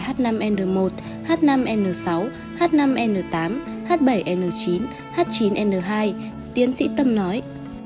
h năm n một h năm n sáu h năm n tám h bảy n chín h chín n hai tiến sĩ tâm nói